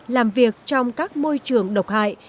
làm việc trong các môi trường độc hại